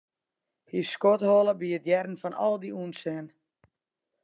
Hy skodholle by it hearren fan al dy ûnsin.